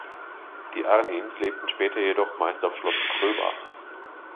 Die Arnims lebten später jedoch meist auf Schloss Gröba.